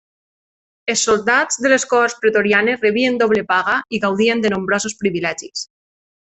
Els soldats de les cohorts pretorianes rebien doble paga i gaudien de nombrosos privilegis.